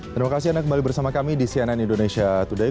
terima kasih anda kembali bersama kami di cnn indonesia today